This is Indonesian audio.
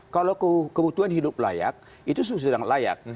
kalau kebutuhan hidup layak itu sesuai dengan layak